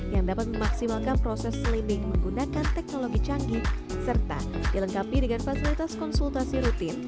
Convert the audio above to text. yang dapat memaksimalkan proses slimming menggunakan teknologi canggih serta dilengkapi dengan fasilitas konsultasi rutin